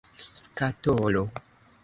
skatolo